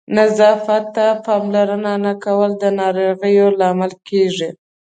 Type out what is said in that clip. نظافت ته پاملرنه نه کول د ناروغیو لامل کېږي.